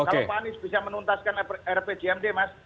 kalau pak anies bisa menuntaskan rpjmd mas